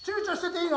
いいの？